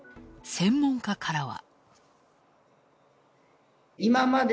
専門家からは。